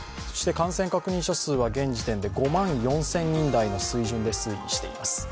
そして感染確認者数は現時点で５万４０００人台の水準で推移しています。